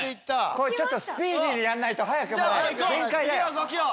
これちょっとスピーディーにやらないと早くもね限界だよ。